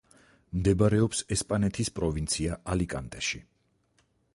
მდებარეობს ესპანეთის პროვინცია ალიკანტეში.